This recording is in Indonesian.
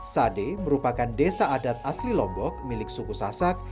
sade merupakan desa adat asli lombok milik suku sasak